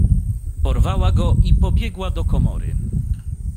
"Porwała go i pobiegła do komory."